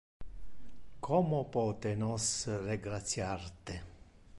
Como pote nos regratiar te?